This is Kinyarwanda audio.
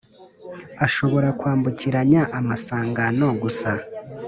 ashobora kwambukiranya amasangano gusa